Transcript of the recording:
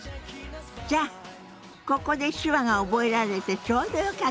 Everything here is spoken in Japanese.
じゃあここで手話が覚えられてちょうどよかったわね。